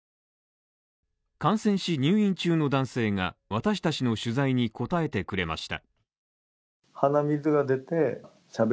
感染し入院中の男性が、私達の取材に答えてくれました。